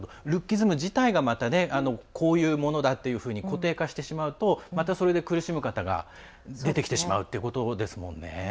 ルッキズム自体がまたこういうものだというふうに固定化してしまうとまた、それで苦しむ方が出てきてしまうということですもんね。